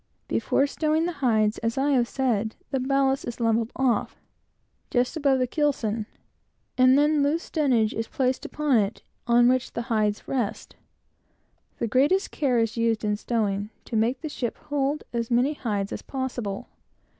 Before stowing the hides, as I have said, the ballast is levelled off, just above the keelson, and then loose dunnage placed upon it, on which the hides rest. The greatest care is used in stowing, to make the ship hold as many hides as possible.